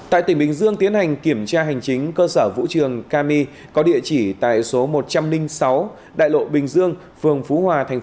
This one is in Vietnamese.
tại tỉnh bình dương tiến hành kiểm tra hành chính cơ sở vũ trường kami có địa chỉ tại số một trăm linh sáu đại lộ bình dương phường phú hòa